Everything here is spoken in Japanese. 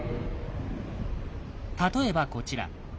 例えばこちら。